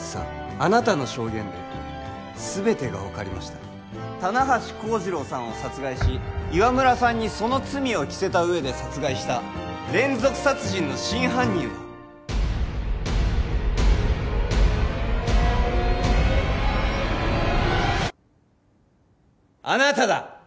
あなたの証言ですべてが分かりました棚橋幸次郎さんを殺害し岩村さんにその罪を着せた上で殺害した連続殺人の真犯人はあなただ！